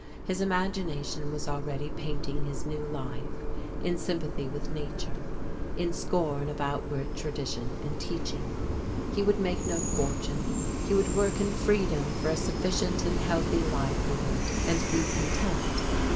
His imagination was al ready painting his new life, in sympathy with nature, in scorn of outworn tradition and teaching. He would make no fortune he would work in freedom for a sufficient and healthy livelihood, and be content.